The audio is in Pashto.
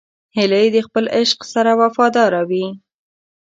هیلۍ د خپل عاشق سره وفاداره وي